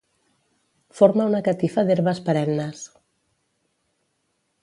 Forma una catifa d'herbes perennes.